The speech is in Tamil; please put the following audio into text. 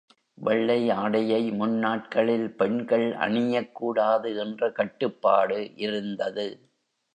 வெள்ளை ஆடையை முன்னாட்களில் பெண்கள் அணியக்கூடாது என்ற கட்டுப்பாடு இருந்தது.